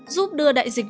giúp đưa đại dịch